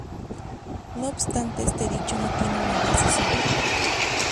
No obstante este dicho no tiene una base sólida.